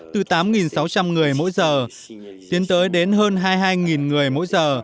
từ tám sáu trăm linh người mỗi giờ tiến tới đến hơn hai mươi hai người mỗi giờ